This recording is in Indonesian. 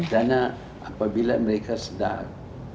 karena apabila mereka sedar